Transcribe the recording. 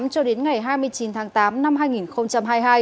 cho đến ngày hai mươi chín tháng tám năm hai nghìn hai mươi hai